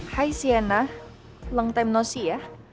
hai sienna leng time no see ya